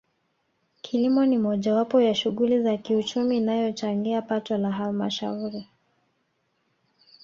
Kilimo ni mojawapo ya shughuli za kiuchumi inayochangia pato la Halmashauri